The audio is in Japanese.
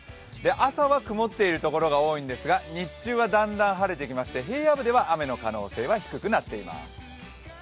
朝は曇っているところが多いのですが、日中はだんだん晴れてきまして、平野部では雨の可能性は低くなっています。